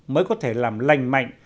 mới có thể làm lành mạnh